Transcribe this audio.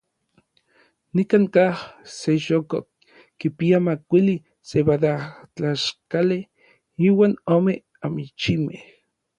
Nikankaj se chokoj kipia makuili sebadajtlaxkali iuan ome amichimej.